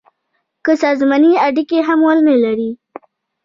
که سازماني اړیکي هم ونه لري.